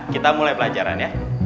kita mulai pelajaran ya